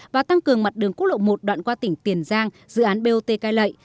và tăng cường mặt đường quốc lộ một đoạn qua tỉnh tiền giang dự án bot cai lệ